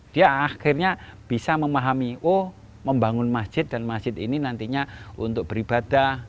dia akhirnya bisa memahami oh membangun masjid dan masjid ini nantinya untuk beribadah